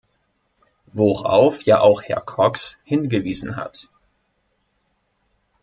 Worauf ja auch Herr Cox hingewiesen hat.